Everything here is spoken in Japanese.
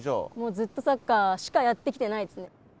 ずっとサッカーしかやってきてないですね。